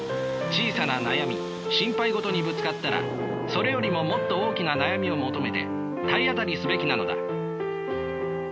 小さな悩み心配事にぶつかったらそれよりももっと大きな悩みを求めて体当たりすべきなのだ。